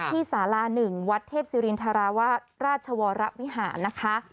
สารา๑วัดเทพศิรินทราวราชวรวิหารนะคะ